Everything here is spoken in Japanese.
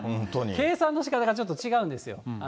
計算のしかたがちょっと違うんですよ。